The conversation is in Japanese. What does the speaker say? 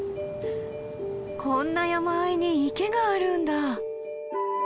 こんな山あいに池があるんだ。